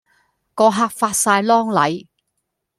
個客發哂狼戾